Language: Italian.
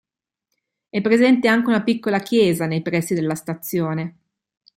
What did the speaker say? È presente anche una piccola chiesa nei pressi della stazione.